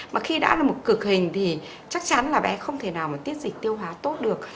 mà khi đã là một cực hình thì chắc chắn là bé không thể nào mà tiết dịch tiêu hóa tốt được